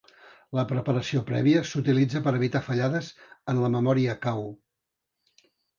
La preparació prèvia s'utilitza per evitar fallades en la memòria cau.